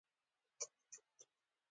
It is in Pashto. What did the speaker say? سرانګې ئې ، څرانګې ئې